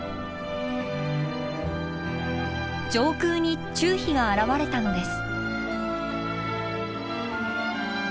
上空にチュウヒが現れたのです。